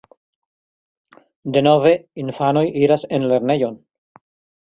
Denove infanoj iras en lernejon.